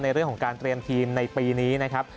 ในเรื่องของการเตรียมทีมในปีนี้นะครับ